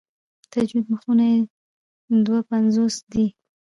د تجوید مخونه یې دوه پنځوس دي.